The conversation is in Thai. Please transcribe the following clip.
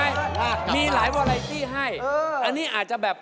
ลากกลับบ้านมีหลายวอลไลท์ที่ให้อันนี้อาจจะแบบ